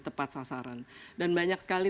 tepat sasaran dan banyak sekali